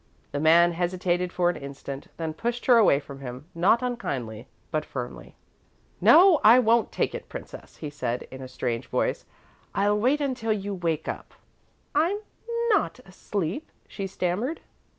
The man hesitated for an instant, then pushed her away from him; not unkindly, but firmly. "No, I won't take it, Princess," he said, in a strange tone. "I'll wait until you wake up." "I'm not asleep," she stammered.